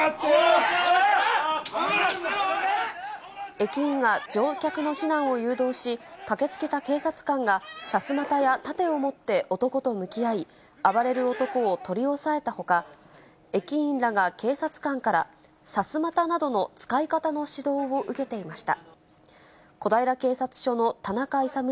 駅員が乗客の避難を誘導し、駆けつけた警察官がさすまたや盾を持って男と向き合い、暴れる男を取り押さえたほか、駅員らが警察官から、さすまたなどの使い方の指導を受けていました。